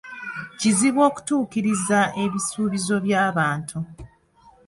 Kizibu okutuukiriza ebisuubizo by'abantu.